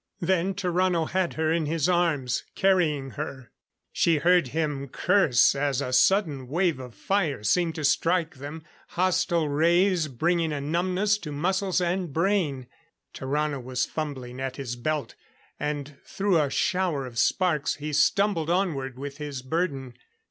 Then Tarrano had her in his arms, carrying her. She heard him curse as a sudden wave of fire seemed to strike them hostile rays bringing a numbness to muscles and brain. Tarrano was fumbling at his belt; and through a shower of sparks he stumbled onward with his burden.